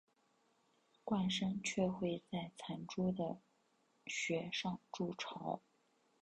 冠山雀会在残株的穴上筑巢。